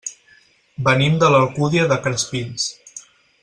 Venim de l'Alcúdia de Crespins.